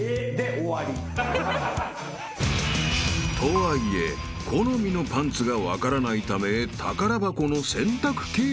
［とはいえ好みのパンツが分からないため宝箱の選択形式に］